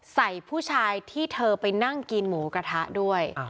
ใส่ผู้ชายที่เธอไปนั่งกินหมูกระทะด้วย